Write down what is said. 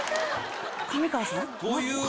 上川さん？